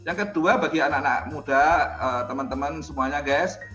yang kedua bagi anak anak muda teman teman semuanya ges